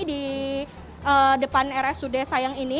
di depan rsud sayang ini